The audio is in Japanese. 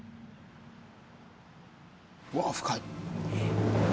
うわ深い！